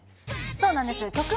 そうなんです。